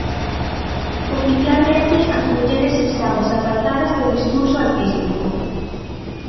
Oficialmente as mulleres estamos apartadas do discurso artístico.